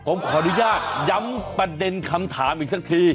ผมขออนุญาตย้ำประเด็นคำถามอีกสักที